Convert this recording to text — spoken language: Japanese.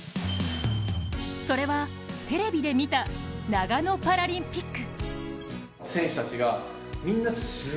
それはテレビで見た長野オリンピック。